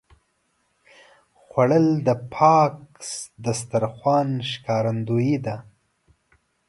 خوړل د پاک دسترخوان ښکارندویي ده